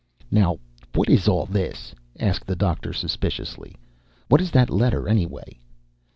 "Now, what is all this?" asked the doctor suspiciously. "What is that letter, anyway?"